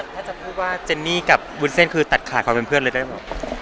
ถ้าจะพูดว่าเจนนี่กับวุ้นเส้นคือตัดขาดความเป็นเพื่อนเลยได้เหรอ